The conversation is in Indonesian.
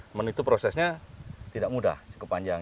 namun itu prosesnya tidak mudah cukup panjang